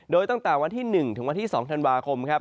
โดยตั้งแต่วันที่๑๒ธันวาคม